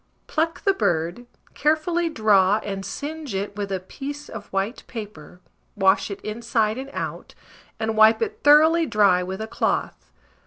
Pluck the bird, carefully draw, and singe it with a piece of white paper, wash it inside and out, and wipe it thoroughly dry with a cloth.